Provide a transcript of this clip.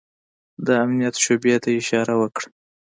د امنيت شعبې ته يې اشاره وکړه.